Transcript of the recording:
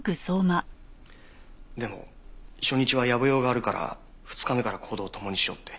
でも初日は野暮用があるから２日目から行動を共にしようって。